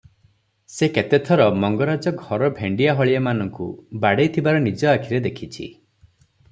ସେ କେତେ ଥର ମଙ୍ଗରାଜ ଘର ଭେଣ୍ତିଆ ହଳିଆମାନଙ୍କୁ ବାଡ଼େଇଥିବାର ନିଜ ଆଖିରେ ଦେଖିଛି ।